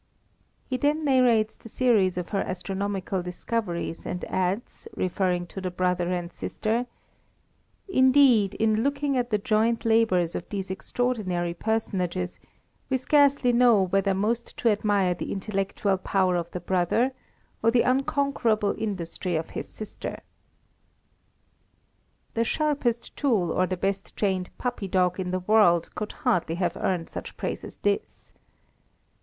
He then narrates the series of her astronomical discoveries, and adds, referring to the brother and sister: "Indeed, in looking at the joint labours of these extraordinary personages, we scarcely know whether most to admire the intellectual power of the brother, or the unconquerable industry of his sister." The sharpest tool, or the best trained puppy dog in the world, could hardly have earned such praise as this.